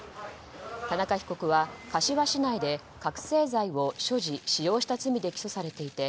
田中被告は、柏市内で覚醒剤を所持・使用した罪で起訴されていて